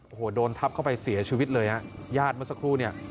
โอ้โหโดนทับเข้าไปเสียชีวิตเลยฮะญาติเมื่อสักครู่เนี่ย